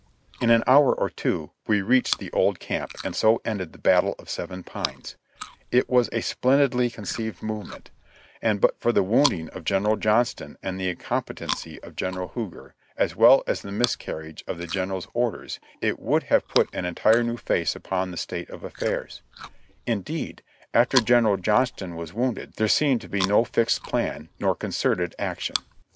In an hour or two we reached the old camp ; and so ended the battle of Seven Pines; it was a splendidly conceived movement, and but for the wounding of General Johnston and the incompe tency of General Huger, as well as the miscarriage of the Gen eral's orders, it would have put an entire new face upon the THE NEXT DAY 153 State of affairs ; indeed, after General Johnston was wounded there seemed to be no fixed plan nor concerted action.